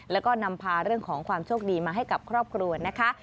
แล้วก็นำพาเรื่องของความโชคดีมาให้กับครอบครัวนะคะ